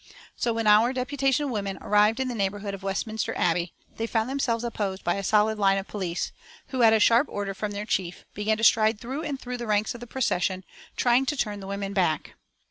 So when our deputation of women arrived in the neighbourhood of Westminster Abbey they found themselves opposed by a solid line of police, who, at a sharp order from their chief, began to stride through and through the ranks of the procession, trying to turn the women back.